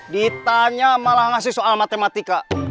ditanya malah ngasih soal matematika